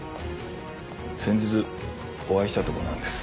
先日お会いしたとこなんです。